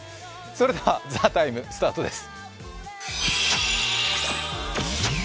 それでは「ＴＨＥＴＩＭＥ，」スタートです。